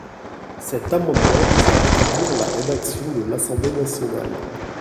Cet amendement vise à rétablir la rédaction de l’Assemblée nationale.